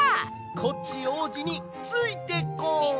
コッチおうじについてこい！